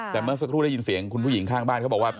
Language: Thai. แต่เมื่อสักครู่ได้ยินเสียงคุณผู้หญิงข้างบ้านเขาบอกว่า